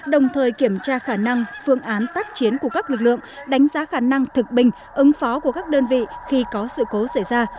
đồng thời kiểm tra khả năng phương án tác chiến của các lực lượng đánh giá khả năng thực bình ứng phó của các đơn vị khi có sự cố xảy ra